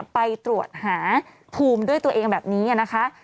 ไปตรวจหาภูมิด้วยตัวเองแบบนี้นะคะ